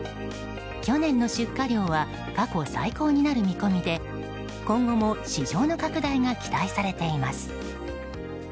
去年の出荷量は過去最高になる見込みで、今後も市場の拡大が期待されています。